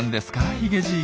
ヒゲじい。